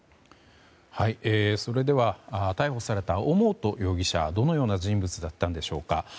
それでは逮捕された尾本容疑者どのような人物だったんでしょうか。